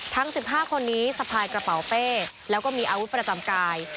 ทั้ง๑๕คนนี้สะพายกระเป๋าเป้แล้วก็มีอาวุธประจำกาย